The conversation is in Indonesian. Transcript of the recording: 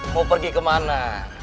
mau pergi kemana